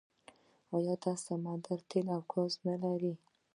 آیا دا سمندر تیل او ګاز نلري؟